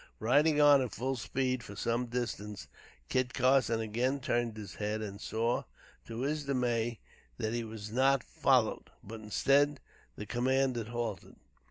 Riding on at full speed for some distance, Kit Carson again turned his head and saw, to his dismay, that he was not followed; but instead, the command had halted.